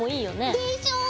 でしょ！